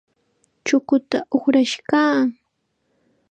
Chukuta uqrash kaa.